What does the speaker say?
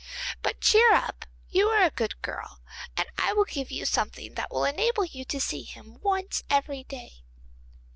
But cheer up, you are a good girl, and I will give you something that will enable you to see him once every day.